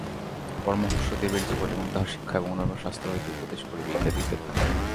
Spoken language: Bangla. পরমহংসদেবের জীবন এবং তাঁহার শিক্ষা এবং অন্যান্য শাস্ত্র হইতে উপদেশ করিবে ইত্যাদি ইত্যাদি।